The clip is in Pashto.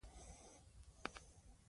خپلې ژبې ته د خدمت له لارې.